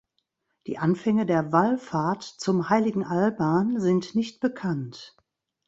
Die Anfänge der Wallfahrt zum heiligen Alban sind nicht bekannt.